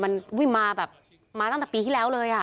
มันวิ่งมาแบบมาตั้งแต่ปีที่แล้วเลย